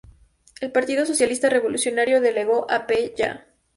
El Partido Socialista Revolucionario delegó a P. Ya.